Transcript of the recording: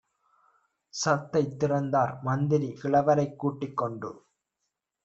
ஷத்தைத் திறந்தார். மந்திரி கிழவரைக் கூட்டி கொண்டு